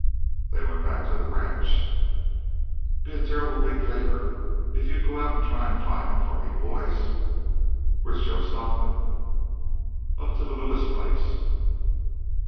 "They went back to the ranch." "Be a terrible big favor if you'd go out and try to find 'em for me, boys. Where's Joe Stockton?" "Up to the Lewis place."